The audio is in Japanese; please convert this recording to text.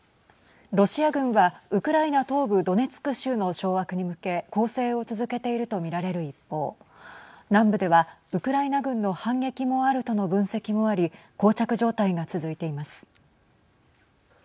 ロシア軍は、ウクライナ東部ドネツク州の掌握に向け攻勢を続けていると見られる一方南部では、ウクライナ軍の反撃もあるとの分析もありこう着状態が続いています。